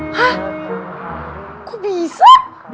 hah kok bisa